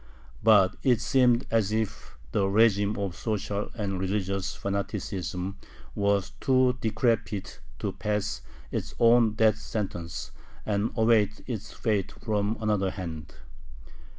But it seemed as if the régime of social and religious fanaticism was too decrepit to pass its own death sentence, and awaited its fate from another hand.